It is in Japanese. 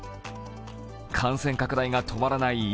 感染拡大が止まらない